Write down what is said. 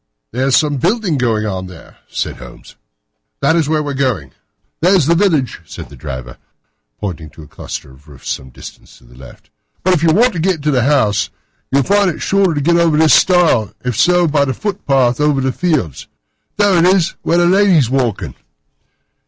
"There is some building going on there," said Holmes; "that is where we are going." "There's the village," said the driver, pointing to a cluster of roofs some distance to the left; "but if you want to get to the house, you'll find it shorter to get over this stile, and so by the footpath over the fields. There it is, where the lady is walking."